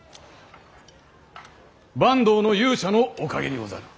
坂東の勇者のおかげにござる。